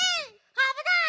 あぶない！